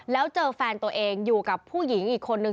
แล้วเจอแฟนตัวเองอยู่กับผู้หญิงอีกคนนึง